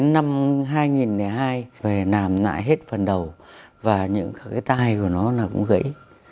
năm hai nghìn hai phải làm lại hết phần đầu và những cái tai của nó cũng gãy